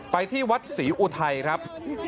ไปที่วัดศรีอุทัยครับ